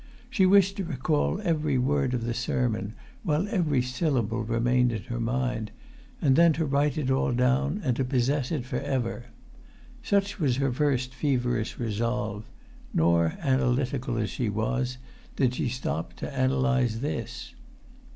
She wished to recall every word of the sermon, while every syllable remained in her mind, and then to write it all down and to possess it for ever. Such was her first feverish resolve; nor, analytical as she was, did she stop to analyse this.